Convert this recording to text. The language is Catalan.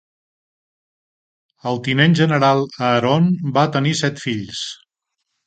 El tinent general Aaron va tenir set fills.